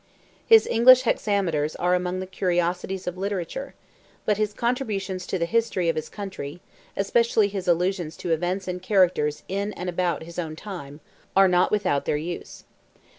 His English hexameters are among the curiosities of literature, but his contributions to the history of his country, especially his allusions to events and characters in and about his own time, are not without their use.